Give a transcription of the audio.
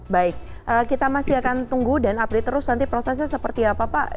baik kita masih akan tunggu dan update terus nanti prosesnya seperti apa pak